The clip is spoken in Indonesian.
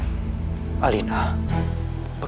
itu demi keselamatan anak anak kami